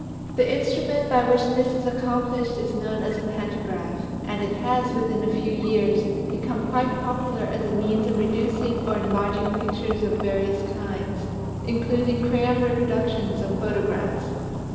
The instrument by which this is accomplished is known as a pantagraph, and it has, within a few years, become quite popular as a means of reducing or enlarging pictures of various kinds, including crayon reproductions of photographs.